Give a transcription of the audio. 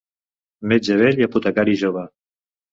Metge vell i apotecari jove.